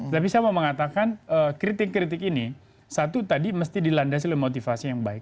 tapi saya mau mengatakan kritik kritik ini satu tadi mesti dilandasi oleh motivasi yang baik